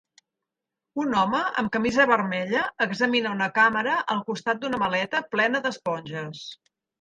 Un home amb camisa vermella examina una càmera al costat d'una maleta plena d'esponges.